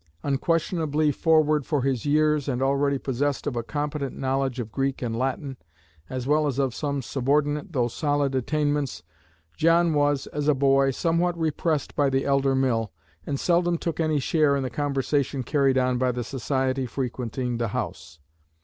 Unquestionably forward for his years, and already possessed of a competent knowledge of Greek and Latin, as well as of some subordinate though solid attainments, John was, as a boy, somewhat repressed by the elder Mill, and seldom took any share in the conversation carried on by the society frequenting the house."